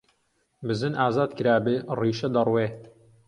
بزن ئازاد کرابێ، ڕیشە دەڕوێ!